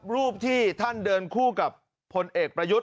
รูปที่ท่านเดินคู่กับพลเอกประยุทธ์